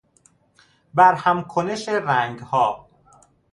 برهم کنش رنگها